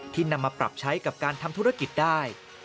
นำมาปรับใช้กับการทำธุรกิจได้